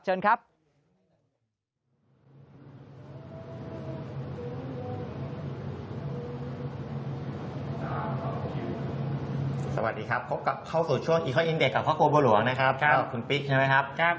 สวัสดีครับพบกับเข้าไปกับพ่อคุณปิ๊กใช่หมยครับ